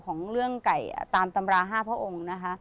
ของเรื่องไก่ตามตำราห้าพระองค์